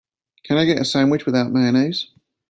Can I get the sandwich without mayonnaise?